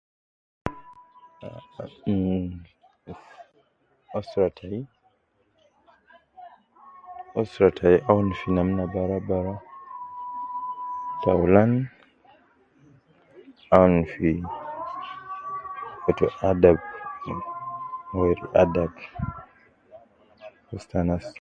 Um ,usra tai ,usra tai aun fi namna bara bara, taulan aun fi kutu adab, weri adab fi ustu anas